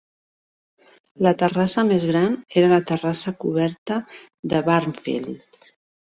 La terrassa més gran era la terrassa coberta de Barnfield.